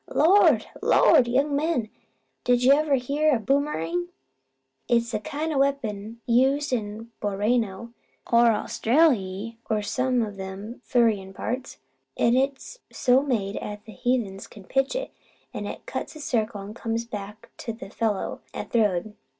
"Lord! Lord! Young man, did you ever hear o' a boomerang? It's a kind o' weapon used in Borneo, er Australy, er some o' them furrin parts, an' it's so made 'at the heathens can pitch it, an' it cuts a circle an' comes back to the fellow, at throwed.